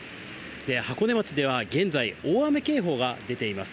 箱根町では現在、大雨警報が出ています。